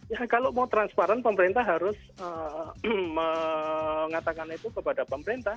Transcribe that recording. ya kalau mau transparan pemerintah harus mengatakan itu kepada pemerintah